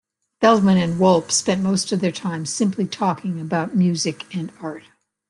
Feldman and Wolpe spent most of their time simply talking about music and art.